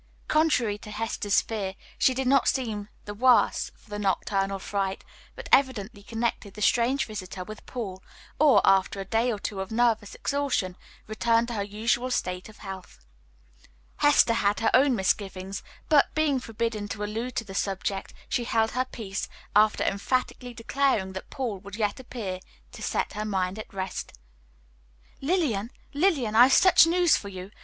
Contrary to Hester's fear, she did not seem the worse for the nocturnal fright, but evidently connected the strange visitor with Paul, or, after a day or two of nervous exhaustion, returned to her usual state of health. Hester had her own misgivings, but, being forbidden to allude to the subject, she held her peace, after emphatically declaring that Paul would yet appear to set her mind at rest. "Lillian, Lillian, I've such news for you!